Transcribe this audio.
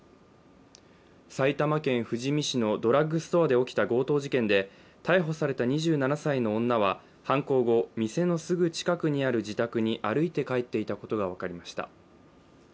埼玉県富士見市のドラッグストアで起きた強盗事件で逮捕された２７歳の女は犯行後、店のすぐ近くにある自宅に歩いて帰っていたことが分かりました。